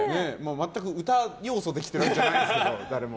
全く歌要素で来てるわけじゃないと思いますけど、誰も。